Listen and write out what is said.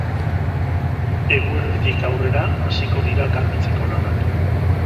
Eguerditik aurrera hasiko dira garbitzeko lanak.